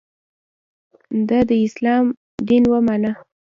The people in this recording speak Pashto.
د ه داسلام دین ومانه.